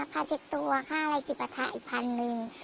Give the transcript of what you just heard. พาเช็คตัวค่าอะไรจิปราธาอีก๑๐๐๐หนึ่ง